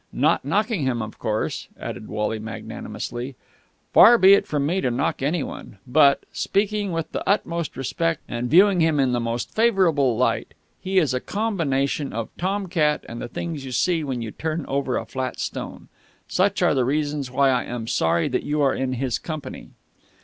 Not knocking him, of course!" added Wally magnanimously. "Far be it from me to knock anyone! But, speaking with the utmost respect and viewing him in the most favourable light, he is a combination of tom cat and the things you see when you turn over a flat stone! Such are the reasons why I am sorry that you are in his company."